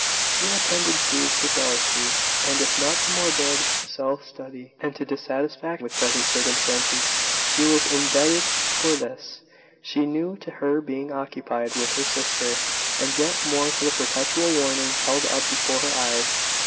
She had tendencies to jealousy; and if not to morbid self study, and to dissatisfaction with present circumstances, she was indebted for this, she knew, to her being occupied with her sister, and yet more to the perpetual warning held up before her eyes.